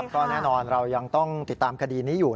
ก็แน่นอนเรายังต้องติดตามคดีนี้อยู่